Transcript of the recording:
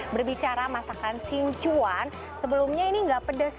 berbicara masakan sichuan sebelumnya ini nggak pedas